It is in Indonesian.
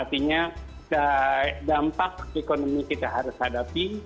artinya dampak ekonomi kita harus hadapi